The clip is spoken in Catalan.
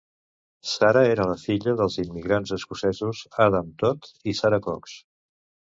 Sarah era la filla dels immigrants escocesos Adam Todd i Sarah Cox.